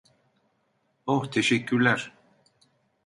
Oh, teşekkürler.